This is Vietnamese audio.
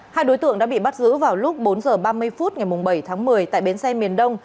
hai đối tượng đã bị bắt giữ vào lúc bốn h ba mươi phút ngày bảy tháng một mươi tại bến xe miền đông